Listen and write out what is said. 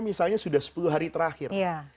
misalnya sudah sepuluh hari terakhir